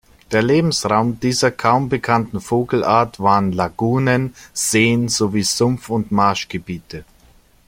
Der Lebensraum dieser kaum bekannten Vogelart waren Lagunen, Seen sowie Sumpf- und Marschgebiete.